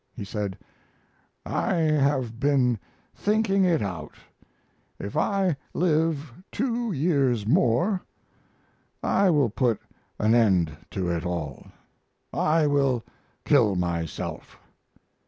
He said: "I have been thinking it out if I live two years more I will put an end to it all. I will kill myself."